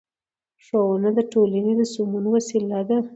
ښوونه د ټولنې د سمون وسیله ده